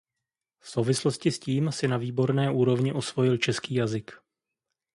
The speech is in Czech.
V souvislosti s tím si na výborné úrovni osvojil český jazyk.